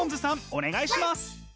お願いします。